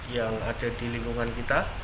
yang ada di lingkungan kita